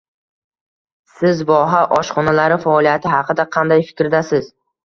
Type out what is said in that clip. Siz voha oshxonalari faoliyati haqida qanday fikrdasiz?